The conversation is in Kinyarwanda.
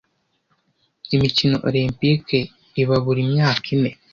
Imikino Olempike iba buri myaka ine.